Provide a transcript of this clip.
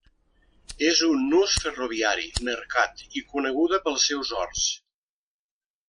És un nus ferroviari, mercat, i coneguda pels seus horts.